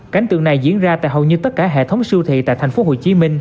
cảnh tượng này diễn ra tại hầu như tất cả hệ thống siêu thị tại tp hcm